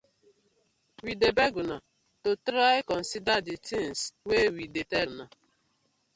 We dey beg una to try consider the tinz wey we dey tell una.